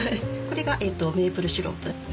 これがメープルシロップ。